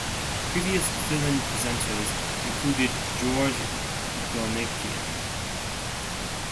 Previous fill-in presenters included George Donikian.